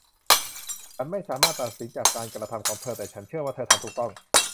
ฉันไม่สามารถตัดสินจากการกระทำของเธอ แต่ฉันเชื่อว่าเธอทำถูกต้อง